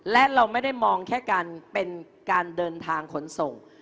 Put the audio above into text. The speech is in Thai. และเราไม่ได้มองแค่การเป็นการเดินทางขนส่ง